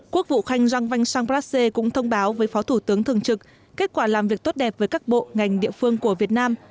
quốc vụ khanh giang văn sang prasse cũng thông báo với phó thủ tướng thường trực kết quả làm việc tốt đẹp với các bộ ngành địa phương của việt nam